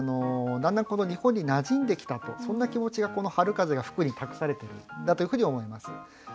だんだんこの日本になじんできたとそんな気持ちがこの「春風が吹く」に託されているんだというふうに思います。